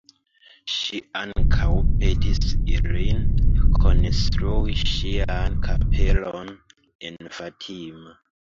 Ŝi ankaŭ petis ilin konstrui ŝian kapelon en Fatima.